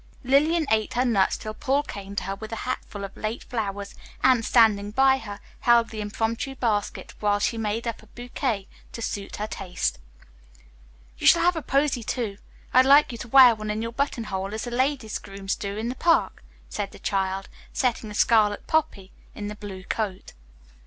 Lillian ate her nuts till Paul came to her with a hatful of late flowers and, standing by her, held the impromptu basket while she made up a bouquet to suit her taste. "You shall have a posy, too; I like you to wear one in your buttonhole as the ladies' grooms do in the Park," said the child, settling a scarlet poppy in the blue coat.